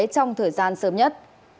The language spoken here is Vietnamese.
trong thời gian sớm nhất